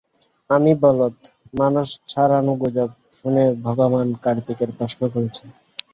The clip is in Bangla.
আমি বলদ, মানুষের ছাড়ানো গুজব শুনে ভগবান কার্তিকে প্রশ্ন করেছি।